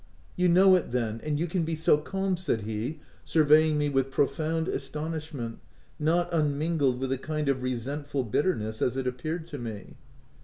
" You know it then — and you can be so calm ! n said he, surveying me with profound astonishment, not unmingled with a kind of resentful bitterness, as it appeared to me.